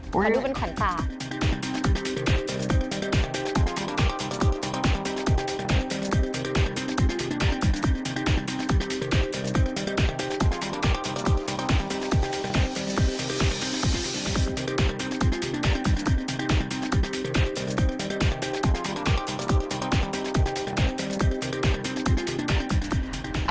ขอดูเป็นขวัญตา